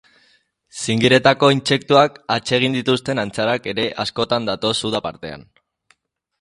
Zingiretako intsektuak atsegin dituzten antzarak ere askotan datoz uda partean.